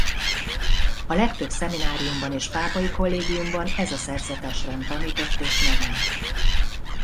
A legtöbb szemináriumban és pápai kollégiumban ez a szerzetesrend tanított és nevelt.